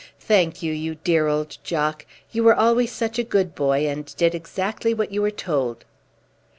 Thank you, you dear old Jock; you were always such a good boy, and did exactly what you were told."